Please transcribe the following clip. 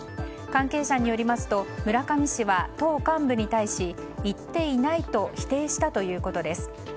関係者によりますと村上氏は党幹部に対し言っていないと否定したということです。